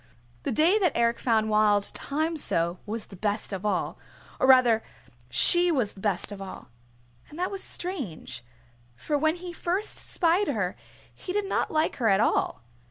The day that Eric found Wild Thyme so was the best of all, or rather she was the best of all. And that was strange, for when he first spied her he did not like her at all.